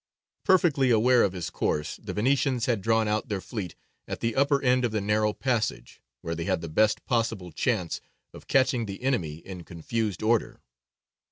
Perfectly aware of his course, the Venetians had drawn out their fleet at the upper end of the narrow passage, where they had the best possible chance of catching the enemy in confused order.